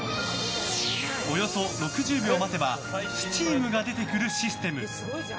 およそ６０秒待てばスチームが出てくるシステム。